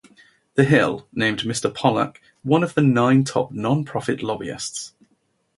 "The Hill" named Mr. Pollack one of the nine top nonprofit lobbyists.